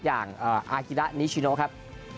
อย่างอากิระนิชิโนครับ